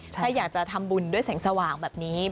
ถ้าอยากจะทำบุญด้วยแสงสว่างแบบนี้